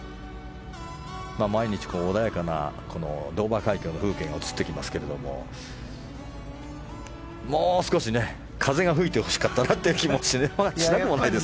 毎日、穏やかなドーバー海峡の風景が映ってきますけれどももう少し、風が吹いてほしかったなという気持ちで。